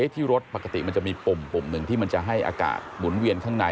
ที่รถปกติมันจะมีปุ่มหนึ่งที่มันจะให้อากาศหมุนเวียนข้างใน